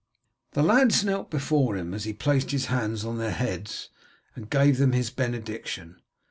The lads knelt before him as he placed his hands on their heads and gave them his benediction.